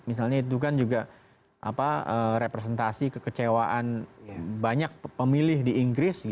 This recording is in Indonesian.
misalnya itu kan juga representasi kekecewaan banyak pemilih di inggris